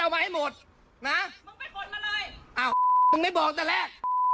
อ้าวมึงไม่บอกแต่แล้ว